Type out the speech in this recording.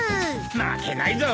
負けないぞ。